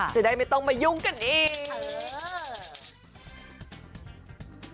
จะได้ไม่ต้องมายุ่งกันอีก